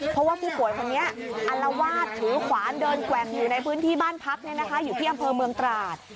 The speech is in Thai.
เพราะว่าผู้ป่วยคนนี้อัลวาดถือขวานเดินแกว่งอยู่ในพื้นที่บ้านพักอยู่ที่อำเภอเมืองตราด